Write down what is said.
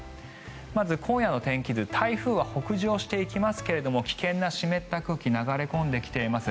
まず、今夜の天気図台風は北上していきますが危険な湿った空気が流れ込んできています。